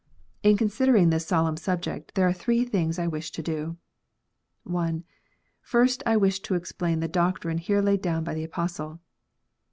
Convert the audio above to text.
In considering this solemn subject, there are three things I wish to do. I. First, I wish to explain the doctrine here laid down by the Apostle.